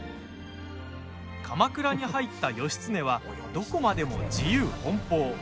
鎌倉に入った義経はどこまでも自由奔放。